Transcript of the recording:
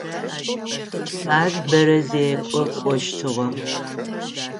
Ар бэрэ зекӏо кӏощтыгъэ.